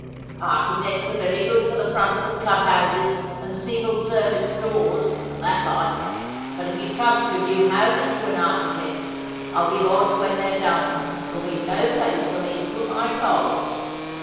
Architects are very good for the fronts of club houses and ceevil service stores, and that like ; but if you trust your new houses to an architect, I'll give odds when they're done there'll be no place for me to put my coals.